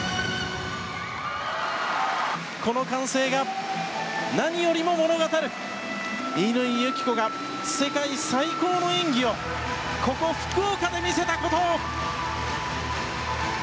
この歓声が何よりも物語る乾友紀子が世界最高の演技をここ福岡で見せたことを。